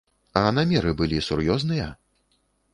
А намеры былі сур'ёзныя?